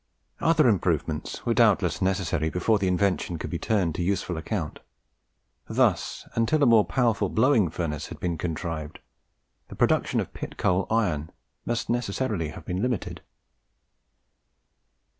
Other improvements were doubtless necessary before the invention could be turned to useful account. Thus, until a more powerful blowing furnace had been contrived, the production of pit coal iron must necessarily have been limited.